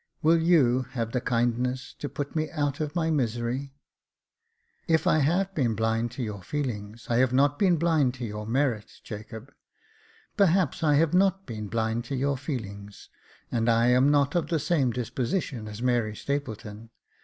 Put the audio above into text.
"Will you have the kindness to put me out of my misery ?"*' If I have been blind to your feelings, I have not been blind to your merit, Jacob. Perhaps I have not been blind to your feelings, and I am not of the same disposition as Mary Stapleton.